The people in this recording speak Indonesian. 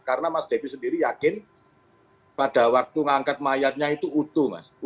karena mas devi sendiri yakin pada waktu mengangkat mayatnya itu utuh mas